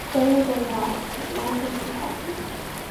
There they lost to Northern Kentucky.